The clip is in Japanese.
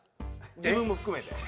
自分も含めて。